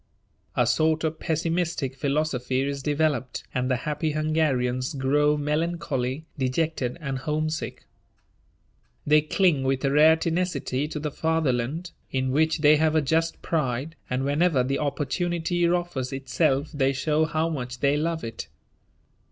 A sort of pessimistic philosophy is developed, and the happy Hungarians grow melancholy, dejected, and homesick. They cling with rare tenacity to the fatherland, in which they have a just pride, and whenever the opportunity offers itself they show how much they love it.